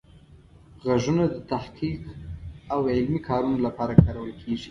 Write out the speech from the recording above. غږونه د تحقیق او علمي کارونو لپاره کارول کیږي.